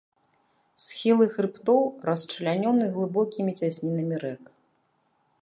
Схілы хрыбтоў расчлянёны глыбокімі цяснінамі рэк.